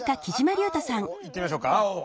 じゃあ青いってみましょうか。